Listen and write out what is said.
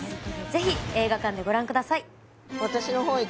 ぜひ映画館でご覧ください